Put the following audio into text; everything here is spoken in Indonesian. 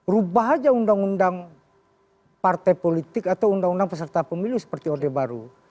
rubah aja undang undang partai politik atau undang undang peserta pemilu seperti orde baru